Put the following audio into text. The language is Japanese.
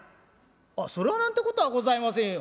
「あっそれは何てことはございませんよ。